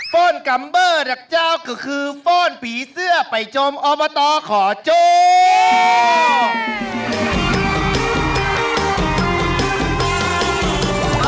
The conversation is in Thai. ฟ้อนกัมเบอร์ดักเจ้าก็คือฟ่อนผีเสื้อไปจมอบตขอโจ๊ก